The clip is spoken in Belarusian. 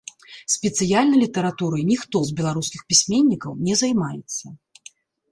Спецыяльна літаратурай ніхто з беларускіх пісьменнікаў не займаецца.